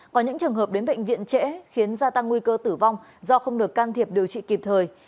có những trường hợp đến bệnh viện trễ khiến gia tăng nguy cơ tử vong do không được can thiệp điều trị kịp thời